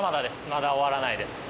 まだ終わらないです。